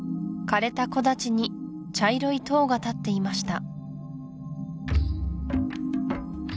枯れた木立に茶色い塔が立っていました